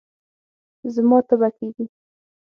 زما تبه کېږي